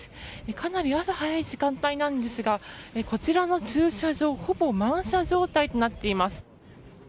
かなり朝早い時間帯なんですがこちらの駐車場ほぼ満車状態となっています。